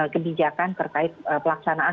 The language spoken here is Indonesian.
kebijakan terkait pelaksanaan